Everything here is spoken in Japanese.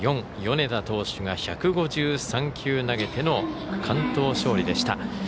米田投手が１５３球投げての完投勝利でした。